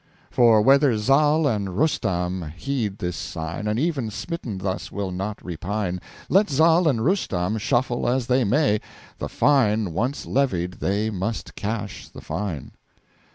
For whether Zal and Rustam heed this Sign, And even smitten thus, will not repine, Let Zal and Rustam shuffle as they may, The Fine once levied they must Cash the Fine.